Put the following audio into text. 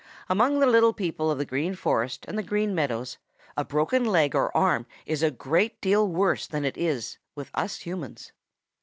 Among the little people of the Green Forest and the Green Meadows, a broken leg or arm is a great deal worse than it is with us humans.